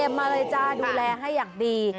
มาเลยจ้าดูแลให้อย่างดี